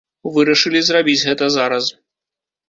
Вырашылі зрабіць гэта зараз.